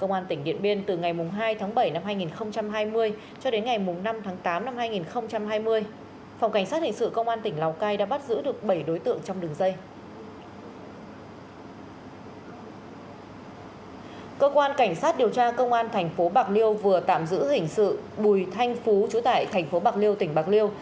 cơ quan cảnh sát điều tra công an thành phố bạc liêu vừa tạm giữ hình sự bùi thanh phú trú tại thành phố bạc liêu tỉnh bạc liêu